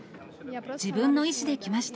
自分の意思で来ました。